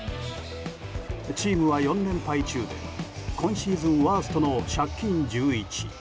チームは４連敗中で今シーズンワーストの借金１１。